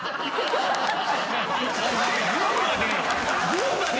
群馬で。